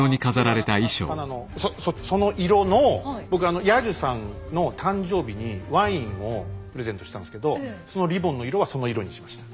今杉浦アナのその色の僕彌十さんの誕生日にワインをプレゼントをしたんですけどそのリボンの色はその色にしました。